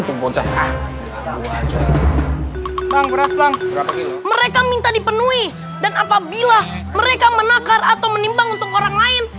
mereka minta dipenuhi dan apabila mereka menangkar atau menimbang untuk orang lain